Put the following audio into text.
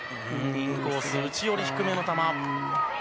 インコース、内寄り低めのため。